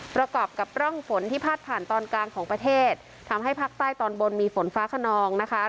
ประกอบกับร่องฝนที่พาดผ่านตอนกลางของประเทศทำให้ภาคใต้ตอนบนมีฝนฟ้าขนองนะคะ